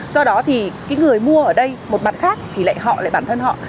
do đó thì cái người mua ở đây một mặt khác thì lại họ lại bản thân họ